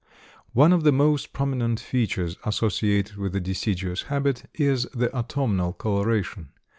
One of the most prominent features associated with the deciduous habit is the autumnal coloration.